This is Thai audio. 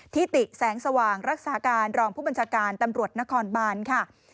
ทิติแสงสว่างรักษาการรองผู้บัญชาการตำรวจนครบานค่ะ